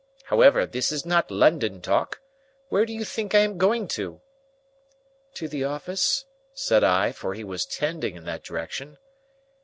However, this is not London talk. Where do you think I am going to?" "To the office?" said I, for he was tending in that direction.